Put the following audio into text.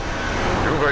了解